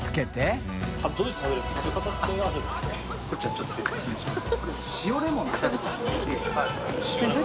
ちょっと説明します。